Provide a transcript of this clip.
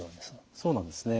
そうなんですね。